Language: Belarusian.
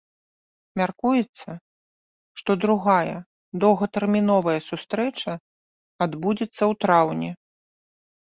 Мяркуецца, што другая доўгатэрміновая сустрэча адбудзецца ў траўні.